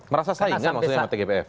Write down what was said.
merasa saing kan maksudnya dengan tgpf